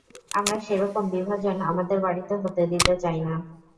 আমরা সেরকম বিভাজন আমাদের বাড়িতে হতে দিতে চাই না!